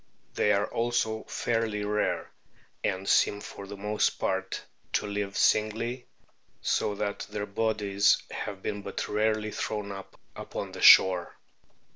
They are also fairly rare, and seem for the most part to live singly, so that their bodies have been but rarely thrown up upon the shore.